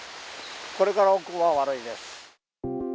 これから奥は悪いです。